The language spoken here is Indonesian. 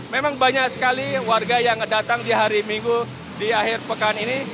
memang banyak sekali warga yang datang di hari minggu di akhir pekan ini